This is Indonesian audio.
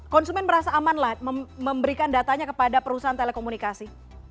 konsumen merasa aman lah memberikan datanya kepada perusahaan telekomunikasi